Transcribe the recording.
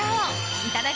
いただき！